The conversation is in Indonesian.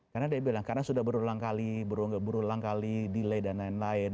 karena sudah berulang kali berulang kali delay dan lain lain